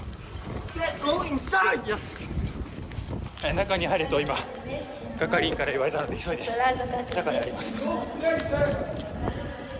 中に入れと今、係員から言われたので急いで中に入ります。